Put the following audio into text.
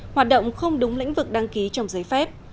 hoạt động không đúng lĩnh vực đăng ký trong giấy phép